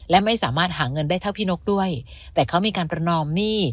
และไม่สามารถหาเงินได้เท่าพี่นกด้วยแต่เขามีการประนอมหนี้